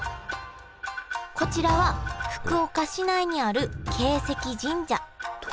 こちらは福岡市内にある鶏石神社。